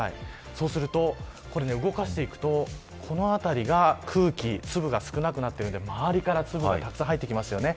そうすると、動かしていくとこの辺りが空気粒が少なくなっているので周りから粒がたくさん入ってきますよね。